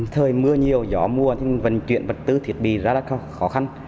thời mưa nhiều gió mùa vận chuyển vật tư thiết bị ra là khó khăn